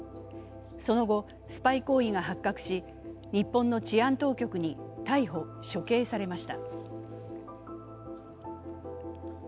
その後、スパイ行為が発覚し日本の治安当局に逮捕処刑されました。